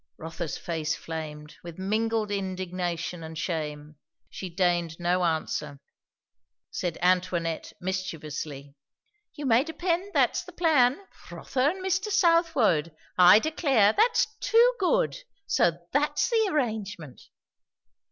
Rotha's face flamed, with mingled indignation and shame; she deigned no answer. "She doesn't speak, mamma," said Antoinette mischievously. "You may depend, that's the plan. Rotha and Mr. Southwode! I declare, that's too good! So that's the arrangement!"